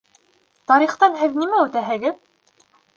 Тарихтан һеҙ нимә үтәһегеҙ?